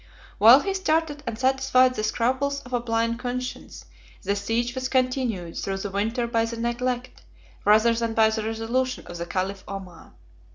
1211 While he started and satisfied the scruples of a blind conscience, the siege was continued through the winter by the neglect, rather than by the resolution of the caliph Omar.